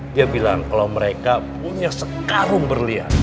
dia bilang kalau mereka punya sekalung berlihat